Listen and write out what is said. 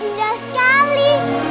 wah indah sekali